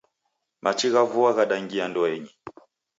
Machi gha vua ghadaingia ndoenyi